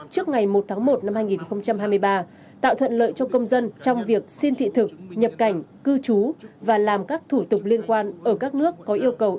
trước ngày một tháng một năm hai nghìn hai mươi ba tạo thuận lợi cho công dân trong việc xin thị thực nhập cảnh cư trú và làm các thủ tục liên quan đến hộ chiếu